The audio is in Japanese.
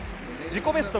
自己ベスト